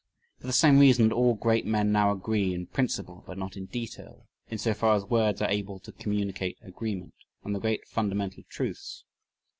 For the same reason that all great men now agree, in principle but not in detail, in so far as words are able to communicate agreement, on the great fundamental truths.